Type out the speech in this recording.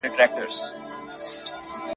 په کښتۍ کي وه سپاره یو شمېر وګړي ..